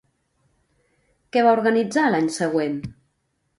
Què va organitzar l'any següent?